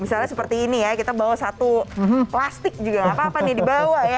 misalnya seperti ini ya kita bawa satu plastik juga gapapa nih dibawa ya